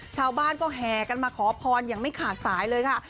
ชาวบ้านก็แห่กันมาขอพรอย่างไม่ขาดสายเลยค่ะ